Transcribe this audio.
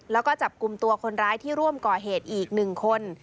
แล้วก็จับกลุ่มตัวคนร้ายที่ร่วมก่อเหตุอีก๑คน